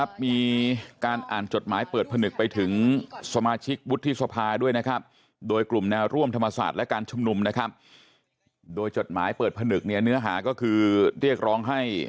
ประชาชนจะพยายามผลักดันให้เกิดขึ้นเอง